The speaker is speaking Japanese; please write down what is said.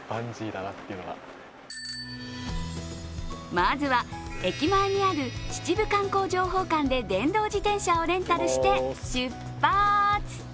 まずは駅前にある秩父観光情報館で電動自転車をレンタルして出発。